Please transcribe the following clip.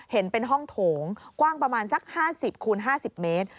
เห็นเป็นห้องโถงกว้างประมาณสัก๕๐คูณ๕๐เมตร